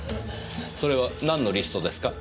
それはなんのリストですか？